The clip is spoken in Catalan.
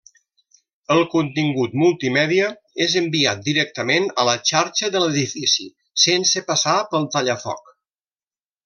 El contingut multimèdia és enviat directament a la xarxa de l'edifici sense passar pel tallafoc.